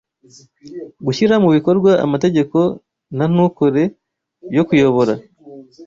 gushyira mu bikorwa amategeko na Ntukore yo kuyobora